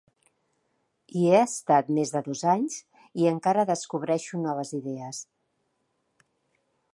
Hi he estat més de dos anys i encara descobreixo noves idees.